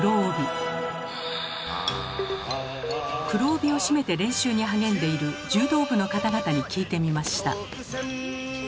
黒帯を締めて練習に励んでいる柔道部の方々に聞いてみました。